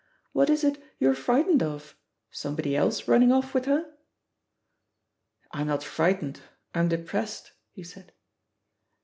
What is it you're frightened of — somebody else running oflF with her?" I'm not frightened; I'm depressed," he said.